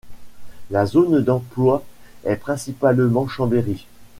La zone d’emploi est principalement Chambéry.